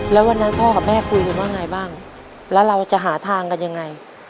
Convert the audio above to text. แล้ววันนั้นพ่อกับแม่คุยกันว่าไงบ้างแล้วเราจะหาทางกันยังไง